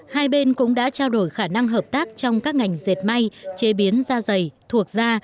hai bên cũng đã trao đổi khả năng hợp tác trong các ngành dệt may chế biến da dày thuộc da